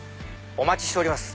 お待ちしております。